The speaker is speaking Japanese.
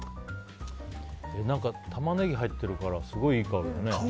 何かタマネギが入ってるからすごいいい香りだね。